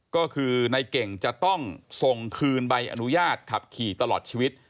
ก็คือในเก่งจะต้องส่งคืนใบอนุญาตขับขี่ตลอดชีวิต